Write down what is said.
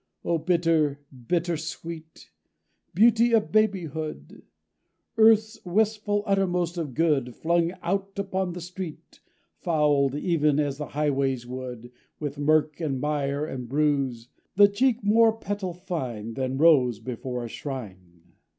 _ _O bitter, bitter sweet! Beauty of babyhood, Earth's wistful uttermost of good Flung out upon the street; Fouled, even as the highways would, With mirk and mire and bruise; The cheek more petal fine Than rose before a shrine!